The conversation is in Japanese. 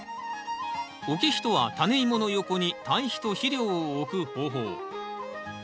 置き肥とはタネイモの横に堆肥と肥料を置く方法。